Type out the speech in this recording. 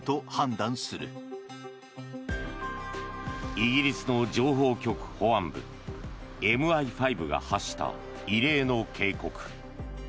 イギリスの情報局保安部・ＭＩ５が発した異例の警告。